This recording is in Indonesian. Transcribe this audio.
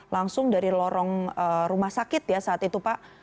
langsung dari lorong rumah sakit ya saat itu pak